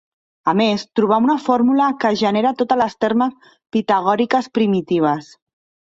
A més, trobà una fórmula que genera totes les ternes pitagòriques primitives.